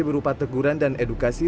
berupa teguran dan edukasi